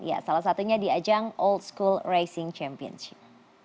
ya salah satunya diajang old school racing championship